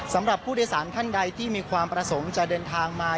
สำหรับผู้โดยสารท่านใดที่มีความประสงค์จะเดินทางมา